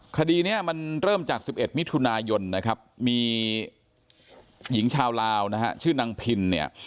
คดีนี้มันเริ่มจาก๑๑มิถุนายนนะครับมีหญิงชาวลาวนะฮะชื่อนางพินเนี่ย